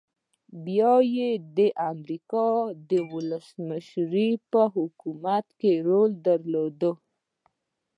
بيا يې د امريکا د ولسمشر په حکومت کې رول درلود.